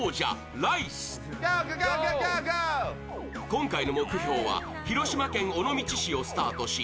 今回の目標は広島県尾道市をスタートし、